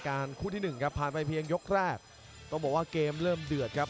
จังหวาดึงซ้ายตายังดีอยู่ครับเพชรมงคล